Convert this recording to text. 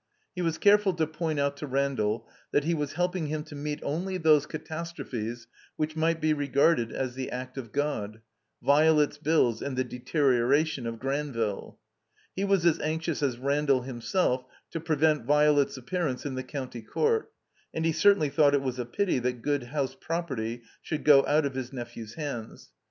He was careful to point out to Randall that he was helping him to meet only those catastrophes which might be regarded as the act of God — ^Violet's bills and the deterioration of Granville. He was as anxious as Randall himself to prevent Violet's ap pearance in the County Court, and he certainly thought it was a pity that good house property should go out of his nephew's hands.